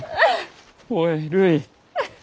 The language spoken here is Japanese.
おいるい。